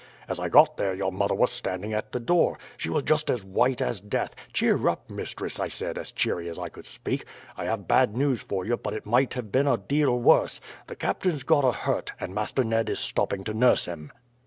As I got there your mother was standing at the door. She was just as white as death. 'Cheer up, mistress,' I said as cheery as I could speak. 'I have bad news for you, but it might have been a deal worse. The captain's got a hurt, and Master Ned is stopping to nurse him.'